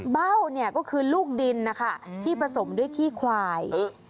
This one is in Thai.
เบ้าเนี่ยก็คือลูกดินนะคะที่ผสมด้วยขี้ควาย